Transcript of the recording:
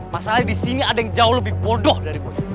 masalahnya di sini ada yang jauh lebih bodoh dari buya